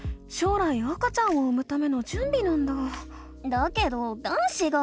だけど男子が。